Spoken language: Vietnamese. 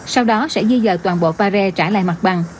sau đó sẽ di dời toàn bộ paris trả lại mặt bằng